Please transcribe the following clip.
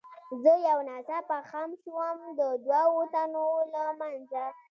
زه یو ناڅاپه خم شوم، د دوو تنو له منځه.